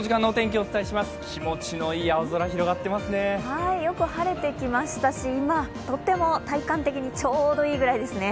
気持ちのいい青空、広がってますねよく晴れてきましたし、今とっても体感的にちょうどいいですね。